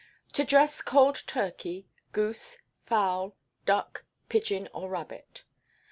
To Dress Cold Turkey, Goose, Fowl, Duck, Pigeon, or Rabbit.